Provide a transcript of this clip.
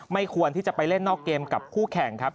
ควรที่จะไปเล่นนอกเกมกับคู่แข่งครับ